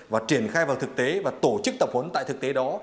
và triển khai vào thực tế và tổ chức tập huấn tại thực tế đó